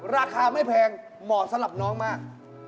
ราคาไม่แพงเหมาะสำหรับน้องมาก